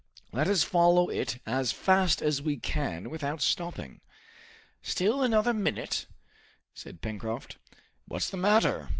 "Let us follow it as fast as we can without stopping." "Still another minute!" said Pencroft. "What's the matter?"